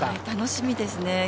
楽しみですね。